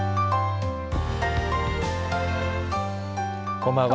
こんばんは。